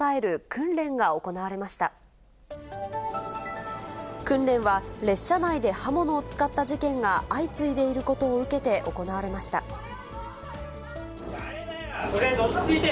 訓練は、列車内で刃物を使った事件が相次いでいることを受けて行われましとりあえず落ち着いて。